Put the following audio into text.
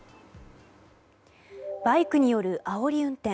バイクによるあおり運転。